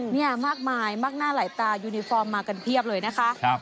นี่มากมายมากหน้าหลายตายูนิฟอร์มมากันเพียบเลยนะคะ